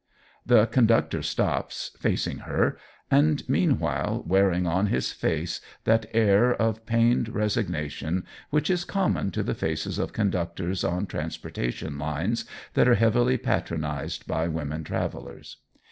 The conductor stops, facing her, and meanwhile wearing on his face that air of pained resignation which is common to the faces of conductors on transportation lines that are heavily patronized by women travelers.